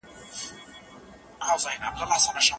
د خپلي ټولني د پرمختګ لپاره تل د علم او امن خپرولو هڅه وکړئ.